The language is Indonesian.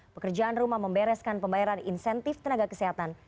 pekerjaan rumah membereskan pembayaran insentif tenaga kesehatan